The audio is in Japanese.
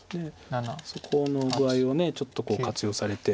そこの具合をちょっと活用されて。